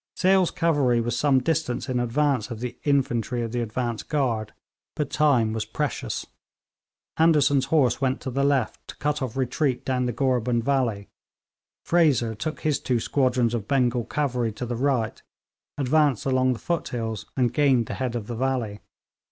Sale's cavalry was some distance in advance of the infantry of the advance guard, but time was precious. Anderson's horse went to the left, to cut off retreat down the Gorebund valley. Fraser took his two squadrons of Bengal cavalry to the right, advanced along the foothills, and gained the head of the valley.